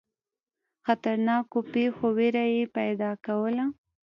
خطرناکو پیښو وېره یې پیدا کوله.